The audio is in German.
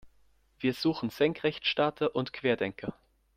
Wir suchen Senkrechtstarter und Querdenker.